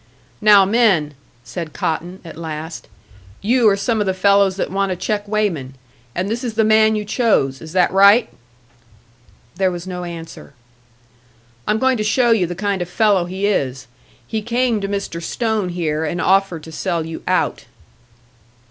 "Now, men," said Cotton, at last, "you are some of the fellows that want a check weighman. And this is the man you chose. Is that right?" There was no answer. "I'm going to show you the kind of fellow he is. He came to Mr. Stone here and offered to sell you out."